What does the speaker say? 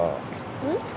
うん？